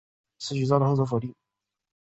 此举遭到后者否定。